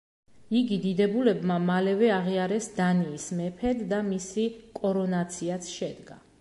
იგი დიდებულებმა მალევე აღიარეს დანიის მეფედ და მისი კორონაციაც შედგა.